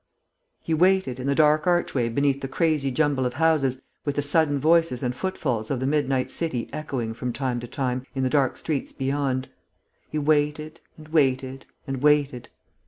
He waited, in the dark archway beneath the crazy jumble of houses, with the sudden voices and footfalls of the midnight city echoing from time to time in the dark streets beyond. He waited and waited and waited.